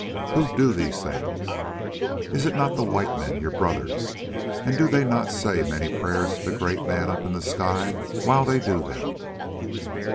_ who do these things? Is it not the white men, your brothers, and do they not say many prayers to the Great Man up in the sky while they do them?"